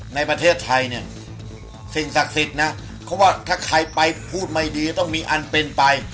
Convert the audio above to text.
ในประเทศไทยสิ่งศักดิ์สิทธิ์